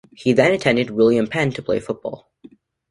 He then attended William Penn to play football.